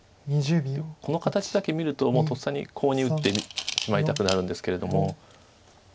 この形だけ見るともうとっさにコウに打ってしまいたくなるんですけれども。